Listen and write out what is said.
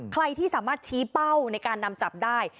ใครที่สามารถชี้เป้าในการนำจับได้